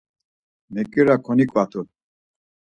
Meǩira koniǩvatu.